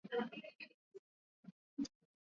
Mpinzani wake wa kazi na kabla ya kushinda tuzo hizo